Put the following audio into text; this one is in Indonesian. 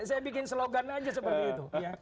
saya bikin slogan aja seperti itu